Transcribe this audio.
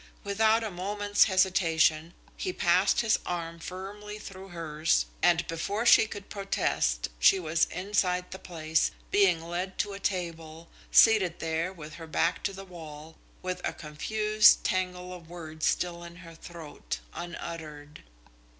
Without a moment's hesitation he passed his arm firmly through hers, and before she could protest she was inside the place, being led to a table, seated there with her back to the wall, with a confused tangle of words still in her throat, unuttered.